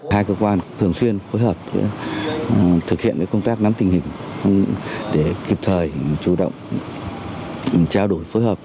hai cơ quan thường xuyên phối hợp thực hiện công tác nắm tình hình để kịp thời chủ động trao đổi phối hợp